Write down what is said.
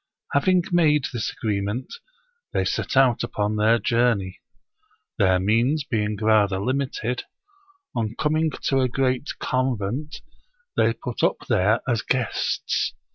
Having made this agreement, they set out upon their journey. Their means being rather limited, on coming to a great convent, they put up there as guests.